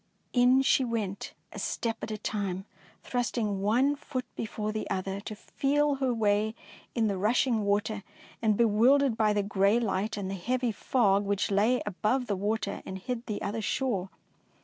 In she went, a step at a time, thrust ing one foot before the other to feel her way in the rushing water, and be wildered by the grey light and the heavy fog which lay above the water and hid the other shore.